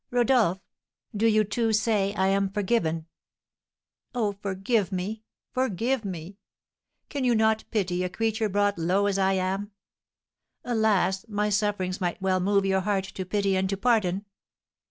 "Rodolph, do you too say I am forgiven! Oh, forgive me forgive me! Can you not pity a creature brought low as I am? Alas, my sufferings might well move your heart to pity and to pardon!"